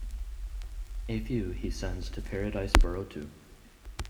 A few he sends to paradise Burotu.